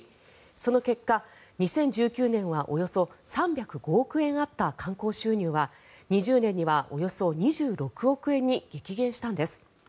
その結果、２０１９年はおよそ３０５億あった観光収入は２０年にはおよそ２６億円に激減したんです。